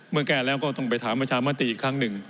เมื่อแก้แล้วก็ต้องไปถามประชามติอีกครั้งหนึ่ง